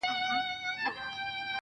نو په سندرو کي به تا وينمه.